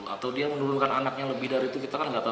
atau dia menurunkan anaknya lebih dari itu kita kan gak tahu